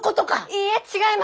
いいえ違います！